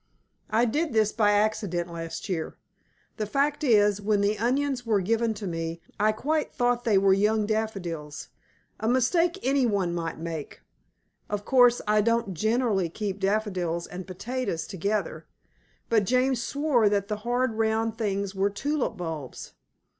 _" I did this by accident last year. The fact is, when the onions were given to me, I quite thought they were young daffodils; a mistake any one might make. Of course I don't generally keep daffodils and potatoes together; but James swore that the hard round things were tulip bulbs.